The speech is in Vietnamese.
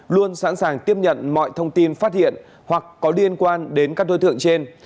luôn sẵn sàng tiếp nhận mọi thông tin phát hiện hoặc có liên quan đến các đối tượng trên